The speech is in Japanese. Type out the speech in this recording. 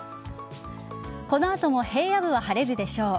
この後も平野部は晴れるでしょう。